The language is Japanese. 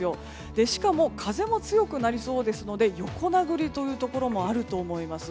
しかも風も強くなりそうですので横殴りというところもあると思います。